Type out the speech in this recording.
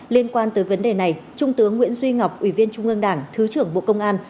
liên quan tới vấn đề này trung tướng nguyễn duy ngọc ủy viên trung ương đảng thứ trưởng bộ công an